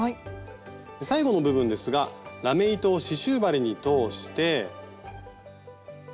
最後の部分ですがラメ糸を刺しゅう針に通して。